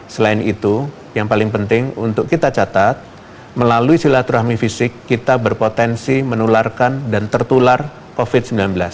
selain itu yang paling penting untuk kita catat melalui silaturahmi fisik kita berpotensi menularkan dan tertular covid sembilan belas